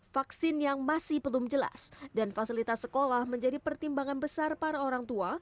vaksin yang masih belum jelas dan fasilitas sekolah menjadi pertimbangan besar para orang tua